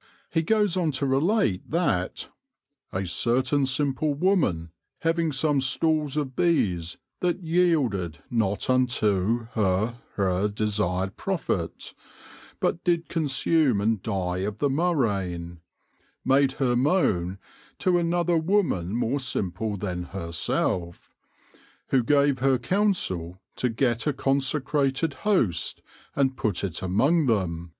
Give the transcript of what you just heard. ,, He goes on to relate that " a certaine simple woman, having some stals of Bees that yeelded not unto hir hir desired profit, but did consume and die of the murraine ; made hir mone to an other Woman more simple than hir selfe ; who gave her counsell to get a consecrated Host, and put it among them.